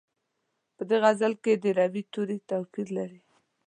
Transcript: په دې غزل کې د روي توري توپیر لري.